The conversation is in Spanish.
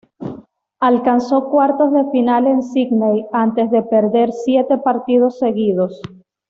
Alcanzó cuartos de final en Sídney antes de perder siete partidos seguidos.